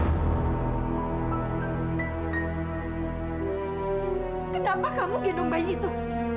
aku tahu setelah hidup aku baru mendengarkan kesalahan